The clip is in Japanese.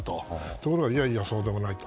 ところがいやいやそうではないと。